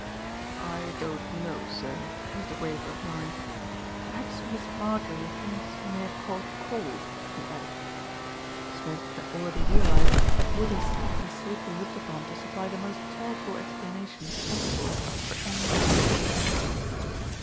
"I don't know, sir," was the grave reply. "Perhaps Miss Marjorie thinks you may have caught cold," he added. Smith had already realised that Willis could be safely THE VICAR DECIDES TO ACT 65 looked upon to supply the most charitable explanation possible for any one's action.